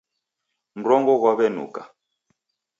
Mrongo ghwaw'enuka